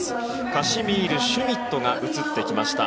カシミール・シュミットが映ってきました。